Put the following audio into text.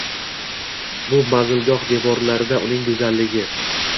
Bu manzilgoh devorlarida uning go’zalligi